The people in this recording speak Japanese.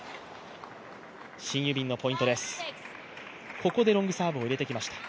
ここでロングサーブを入れてきました。